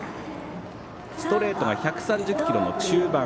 ストレートが１３０キロの中盤。